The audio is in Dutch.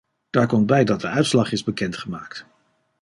Daar komt bij dat de uitslag is bekendgemaakt.